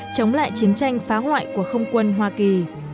chống lại chiến tranh phá hoại của không quân hoa kỳ